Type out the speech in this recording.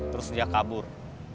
terus dia kabur